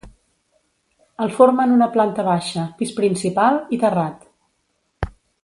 El formen una planta baixa, pis principal i terrat.